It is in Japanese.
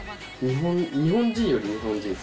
日本人より日本人。